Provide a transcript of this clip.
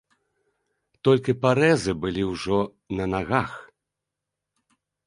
Толькі парэзы былі ўжо на нагах.